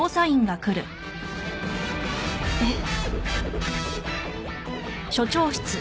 えっ？